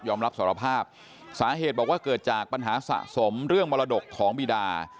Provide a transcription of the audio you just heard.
รับสารภาพสาเหตุบอกว่าเกิดจากปัญหาสะสมเรื่องมรดกของบีดา